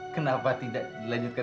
sampai jumpa di video selanjutnya